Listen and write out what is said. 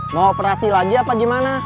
mau operasi lagi apa gimana